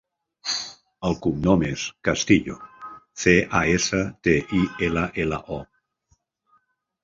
El cognom és Castillo: ce, a, essa, te, i, ela, ela, o.